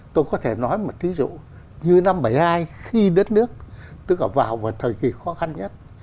tôi có thể nói một thí dụ như năm một nghìn chín trăm bảy mươi hai khi đất nước tức là vào thời kỳ khó khăn nhất